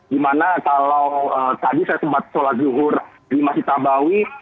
dimana kalau tadi saya sempat sholat zuhur di masjid tabawi